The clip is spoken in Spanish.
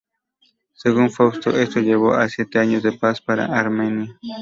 Según Fausto, esto llevó siete años de paz para Armenia.